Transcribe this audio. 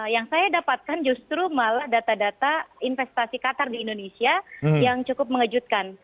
yang saya dapatkan justru malah data data investasi qatar di indonesia yang cukup mengejutkan